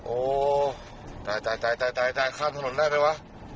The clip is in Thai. โอ้ดายข้ามถนนแรกเลยหวะ